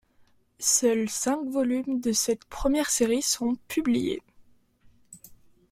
Seuls cinq volumes de cette première série sont publiés.